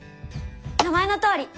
名前のとおり。